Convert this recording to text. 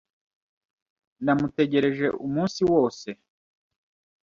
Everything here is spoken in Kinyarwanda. Namutegereje umunsi wose.